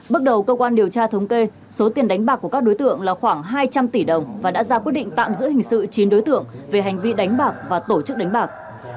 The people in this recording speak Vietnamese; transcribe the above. bước đầu cơ quan điều tra thống kê số tiền đánh bạc của các đối tượng là khoảng hai trăm linh tỷ đồng và đã ra quyết định tạm giữ hình sự chín đối tượng về hành vi đánh bạc và tổ chức đánh bạc